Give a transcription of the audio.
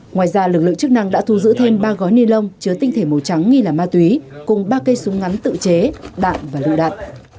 ngoài ra lực lượng chức năng đã thu giữ thêm ba gói ni lông chứa tinh thể màu trắng nghi là ma túy cùng ba cây súng ngắn tự chế đạn và lựu đạn